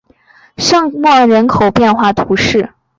圣莫人口变化图示